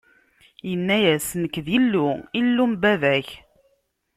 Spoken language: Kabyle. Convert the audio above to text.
Inna-yas: Nekk, d Illu, Illu n baba-k!